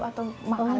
atau makanan khusus